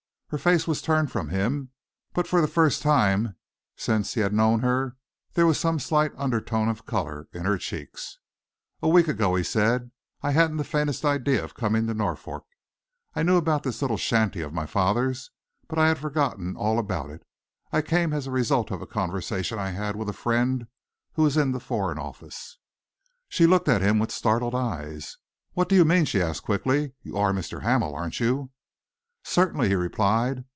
Her face was turned from him, but for the first time since he had known her there was a slight undertone of colour in her cheeks. "A week ago," he said, "I hadn't the faintest idea of coming into Norfolk. I knew about this little shanty of my father's, but I had forgotten all about it. I came as the result of a conversation I had with a friend who is in the Foreign Office." She looked at him with startled eyes. "What do you mean?" she asked quickly. "You are Mr. Hamel, aren't you?" "Certainly," he replied.